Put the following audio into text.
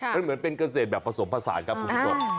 มันเหมือนเป็นเกษตรแบบผสมผสานครับคุณผู้ชม